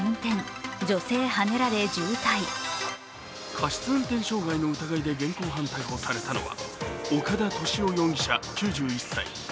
過失運転傷害の疑いで現行犯逮捕されたのは岡田俊雄容疑者９１歳。